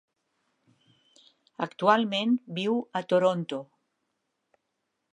Actualment viu a Toronto.